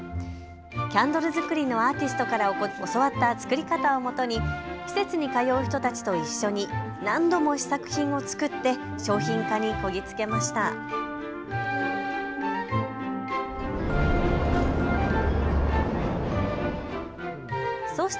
キャンドル作りのアーティストから教わった作り方をもとに施設に通う人たちと一緒に何度も試作品を作って商品化にこぎ着けました。